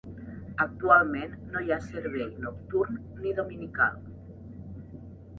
Actualment no hi ha servei nocturn ni dominical.